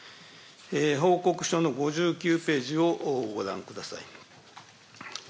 報告書の５９ページをご覧ください。